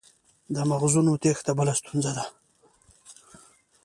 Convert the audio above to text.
د مغزونو تیښته بله ستونزه ده.